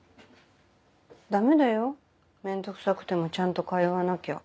ダメだよ面倒くさくてもちゃんと通わなきゃ。